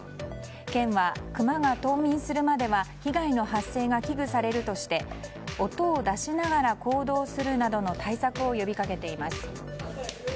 県は、クマが冬眠するまでは被害の発生が危惧されるとして音を出しながら行動するなどの対策を呼びかけています。